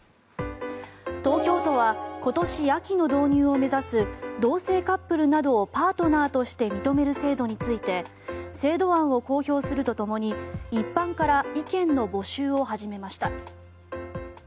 東京都は今年秋の導入を目指す同性カップルなどをパートナーとして認める制度について制度案を公表するとともに一般から意見の募集を始めました。